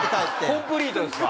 コンプリートですか。